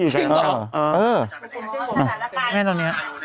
ใช่หรอ